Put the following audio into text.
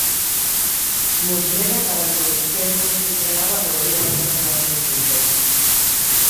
Muslera para en dous tempos e xa nada podería facer na seguinte.